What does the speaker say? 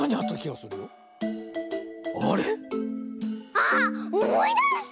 あっおもいだした！